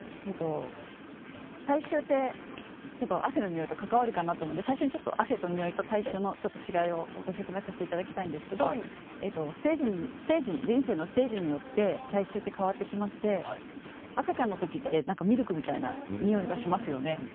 体臭って、汗のにおいと関わるかなと思って、最初に汗とにおいと体臭の違いを説明させていただきたいんですが人生のステージによって体臭って変わってきまして赤ちゃんの時ってミルクみたいな匂いがしますよね。